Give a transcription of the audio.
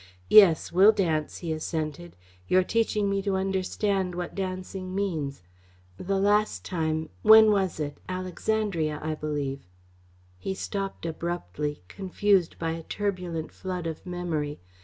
"Yes, we'll dance," he assented. "You're teaching me to understand what dancing means. The last time when was it? Alexandria, I believe " He stopped abruptly, confused by a turbulent flood of memory.